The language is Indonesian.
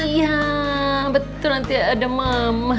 iya betul nanti ada mama